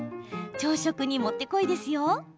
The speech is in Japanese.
朝食に、もってこいですよ。